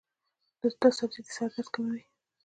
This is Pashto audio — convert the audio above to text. دا سبزی د سر درد کموي.